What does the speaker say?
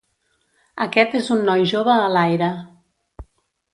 Aquest és un noi jove a l'aire.